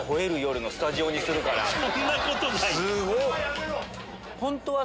そんなことない！